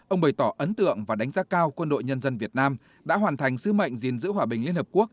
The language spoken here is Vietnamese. ông bày tỏ ấn tượng và đánh giá cao quân đội nhân dân việt nam đã hoàn thành sứ mệnh gìn giữ hòa bình liên hợp quốc